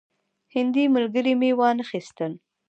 هندي ملګري مې وانه خیستل.